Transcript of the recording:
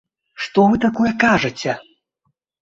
Што вы такое кажаце?!